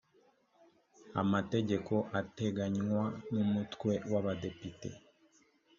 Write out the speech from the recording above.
amategeko ateganywa n umutwe w abadepite